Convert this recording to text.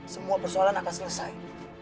semua persoalan akan selesai